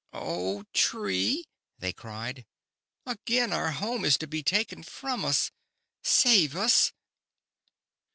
" Oh, Tree," they cried, "again our home is to be taken from us. Save us."